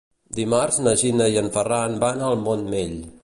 Dimarts na Gina i en Ferran van al Montmell.